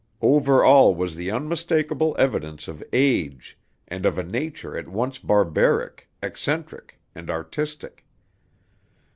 Over all was the unmistakable evidence of age, and of a nature at once barbaric, eccentric, and artistic.